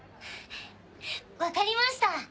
分かりました！